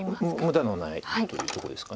無駄のないというとこですか。